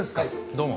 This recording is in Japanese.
どうも。